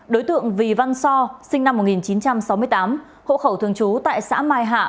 đối tượng vì văn so sinh năm một nghìn chín trăm sáu mươi tám hộ khẩu thường trú tại xã mai hạ